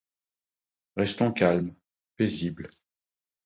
Relations calmes, paisibles.